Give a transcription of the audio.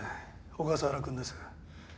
小笠原君です。